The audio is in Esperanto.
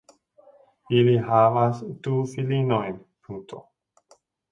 Ili havas du filinojn.